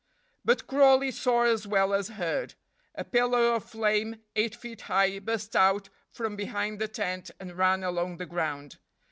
But Crawley saw as well as heard. A pillar of flame eight feet high burst out from behind the tent and ran along the ground.